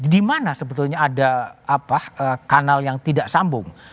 di mana sebetulnya ada kanal yang tidak sambung